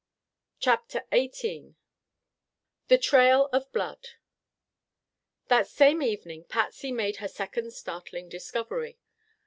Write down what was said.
CHAPTER XVIII THE TRAIL OF BLOOD That same evening Patsy made her second startling discovery.